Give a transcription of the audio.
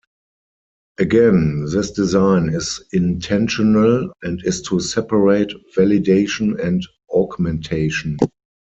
Again, this design is intentional and is to separate validation and augmentation.